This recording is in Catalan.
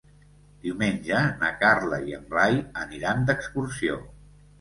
Diumenge na Carla i en Blai aniran d'excursió.